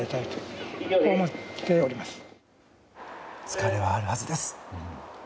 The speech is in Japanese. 疲れはあるはずです。